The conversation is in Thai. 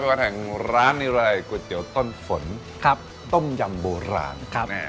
แล้วก็แห่งร้านนี่อะไรก๋วยเตี๋ยวต้นฝนต้มยำโบราณแหม